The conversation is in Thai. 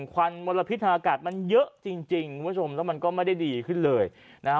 ควันมลพิษอากาศมันเยอะจริงแล้วมันก็ไม่ได้ดีขึ้นเลยนะ